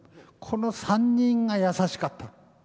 この３人が優しかった。